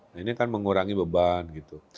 nah ini kan mengurangi beban gitu